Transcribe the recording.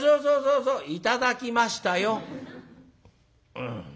「うん。